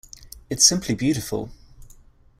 It’s simply beautiful.